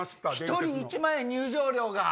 １人１万円入場料が。